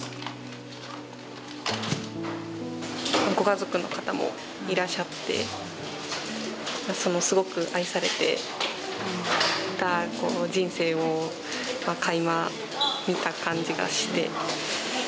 ご家族の方もいらっしゃってそのすごく愛されてた人生をかいま見た感じがして。